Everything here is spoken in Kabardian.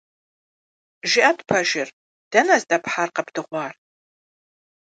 ЖыӀэт пэжыр, дэнэ здэпхьар къэбдыгъуар?